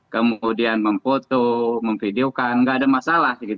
kemudian memfoto memvideokan nggak ada masalah